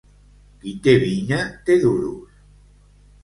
Qui té vinya, té duros.